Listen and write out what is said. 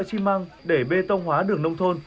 xi măng để bê tông hóa đường nông thôn